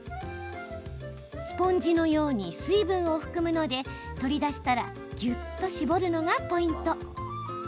スポンジのように水分を含むので取り出したらぎゅっと絞るのがポイント。